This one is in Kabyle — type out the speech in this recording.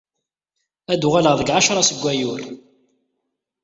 Ad d-uɣaleɣ deg ɛecṛa seg wayyur.